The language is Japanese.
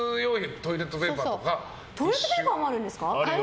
トイレットペーパーもあるんですか？